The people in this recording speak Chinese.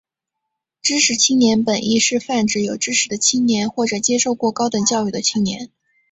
知识青年本义是泛指有知识的青年或者接受过高等教育的青年。